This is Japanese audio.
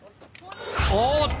おっと！